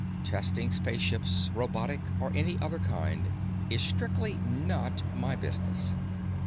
Testing spaceships, robotic or any other kind, is strictly not my business.